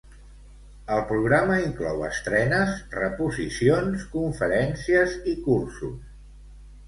El programa inclou estrenes, reposicions, conferències i cursos.